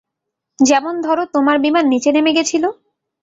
যেমন ধরো তোমার বিমান নিচে নেমে গেছিলো?